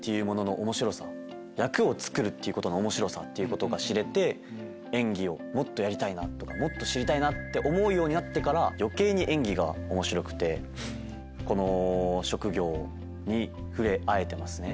っていうことが知れて演技をもっとやりたいなとかもっと知りたいなって思うようになってから余計に演技が面白くてこの職業に触れ合えてますね。